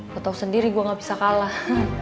gue tau sendiri gue gak bisa kalah